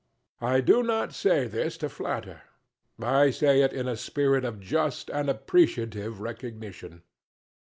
I do not say this to flatter: I say it in a spirit of just and appreciative recognition.